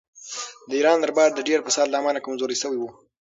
د ایران دربار د ډېر فساد له امله کمزوری شوی و.